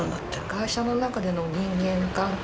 会社の中での人間関係。